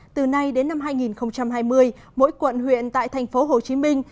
từ nay đến năm hai nghìn hai mươi mỗi quận huyện tại thành phố hồ chí minh